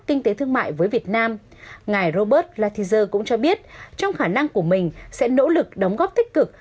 kinh tế thương mại với việt nam ngài robert lathizer cũng cho biết trong khả năng của mình sẽ nỗ lực đóng góp tích cực